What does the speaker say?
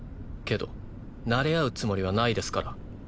けどなれ合うつもりはないですから。